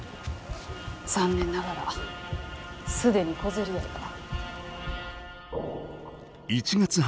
残念ながら既に小競り合いが。